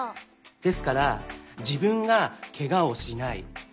ですからじぶんがけがをしない。